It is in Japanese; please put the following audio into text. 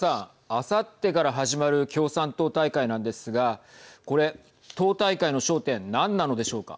あさってから始まる共産党大会なんですがこれ党大会の焦点何なのでしょうか。